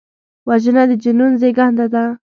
وژنه د جنون زیږنده ده